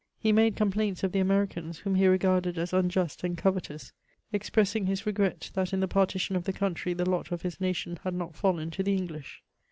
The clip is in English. He made complaints of the Americans, whom he regarded as unjust and covetous — expressing his regret, that in the partition of the country the lot of his nation had not fallen to the English.